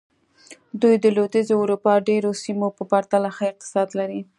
دوی د لوېدیځې اروپا ډېرو سیمو په پرتله ښه اقتصاد لري.